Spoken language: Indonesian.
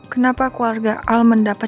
kenapa keluarga al mendapat